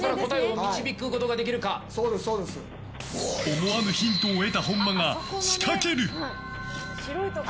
思わぬヒントを得た本間が仕掛ける。